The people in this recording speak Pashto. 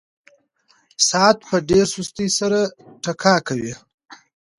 ساعت په ډېره سستۍ سره ټکا کوي.